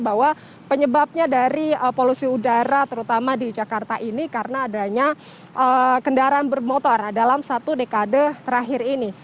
bahwa penyebabnya dari polusi udara terutama di jakarta ini karena adanya kendaraan bermotor dalam satu dekade terakhir ini